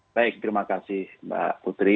baik terima kasih mbak putri